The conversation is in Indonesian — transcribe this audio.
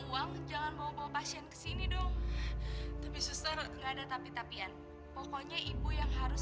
uang jangan bawa bawa pasien kesini dong tapi suster nggak ada tapi tapian pokoknya ibu yang harus